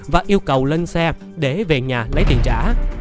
và yêu cầu lên xe để về nhà lấy tiền trả